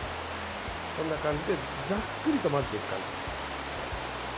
こんな感じでざっくりと混ぜていく感じ。